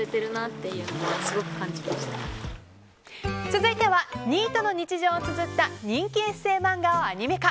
続いてはニートの日常をつづった人気エッセー漫画をアニメ化。